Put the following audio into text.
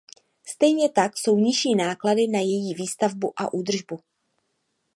Stejně tak jsou nižší náklady na její výstavbu a údržbu.